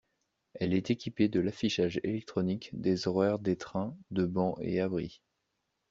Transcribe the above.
Elle est équipée de l'affichage électronique des horaires des trains de bancs et abris.